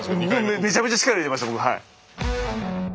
めちゃめちゃ力入れてました僕。